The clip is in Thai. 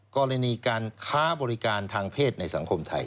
กรณีการค้าบริการทางเพศในสังคมไทย